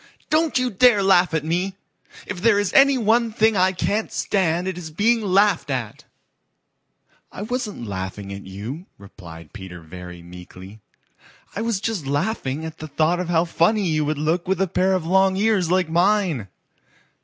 "Don't you dare laugh at me! If there is any one thing I can't stand it is being laughed at." "I wasn't laughing at you," replied Peter very meekly. "I was just laughing, at the thought of how funny you would look with a pair of long ears like mine.